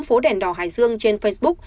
phố đèn đỏ hải dương trên facebook